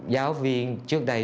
giáo viên trước đây